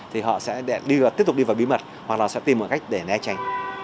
thì họ sẽ tiếp tục đi vào bí mật hoặc là họ sẽ tìm một cách để né tránh